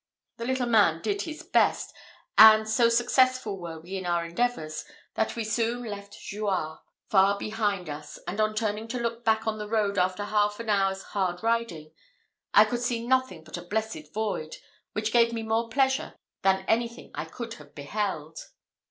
The little man did his best; and so successful were we in our endeavours, that we soon left Jouarre far behind us: and on turning to look back on the road after half an hour's hard riding, I could see nothing but a blessed void, which gave me more pleasure than anything I could have beheld.